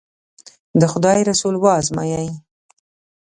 د خدای رسول و ازمایي.